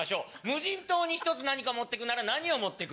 無人島に一つ何か持ってくなら何を持ってく？